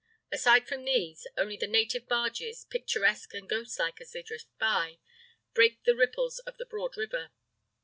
Aside from these, only the native barges, picturesque and ghostlike as they drift by, break the ripples of the broad river.